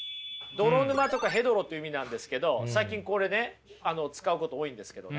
泥沼とかヘドロという意味なんですけど最近これね使うこと多いんですけどね。